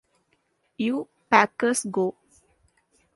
You Packers Go!